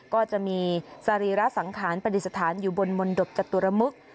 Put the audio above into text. ก็จะมีสรีระสังขารปฏิสถานอยู่บนมนตบจตุรมึก